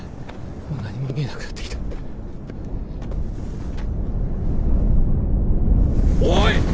もう何も見えなくなってきたおい